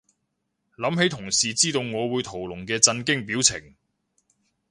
諗起同事知道我會屠龍嘅震驚表情